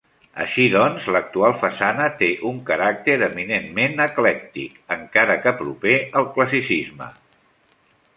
Així doncs, l'actual façana té d'un caràcter eminentment eclèctic, encara que proper al classicisme.